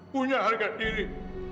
punya harga diri